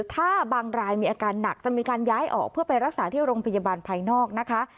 ถ้าบางรายมีอาการหนักจะมีการย้ายออกเพื่อไปรักษาที่โรงพยาบาลภายนอกนะคะ